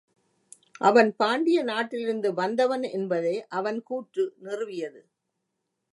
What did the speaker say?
அவன் பாண்டிய நாட்டில் இருந்து வந்தவன் என்பதை அவன் கூற்று நிறுவியது.